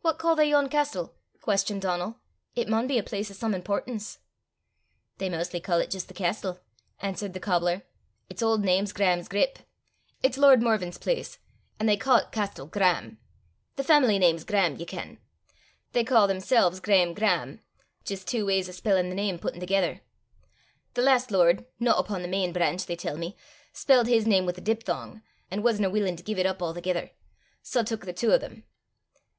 "What ca' they yon castel?" questioned Donal. "It maun be a place o' some importance!" "They maistly ca' 't jist the castel," answered the cobbler. "Its auld name 's Graham's Grip. It's lord Morven's place, an' they ca' 't Castel Graham: the faimily name 's Graham, ye ken. They ca' themsel's Graeme Graham jist twa w'ys o' spellin' the name putten thegither. The last lord, no upo' the main brainch, they tell me, spelled his name wi' the diphthong, an' wasna willin' to gie 't up a'thegither sae tuik the twa o' them.